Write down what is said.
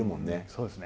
そうですね。